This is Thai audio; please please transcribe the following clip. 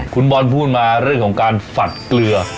คุณบอลพูดมาเรื่องของการฝัดเกลือ